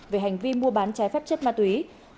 về hành vi mua bán trái phép chất ma túy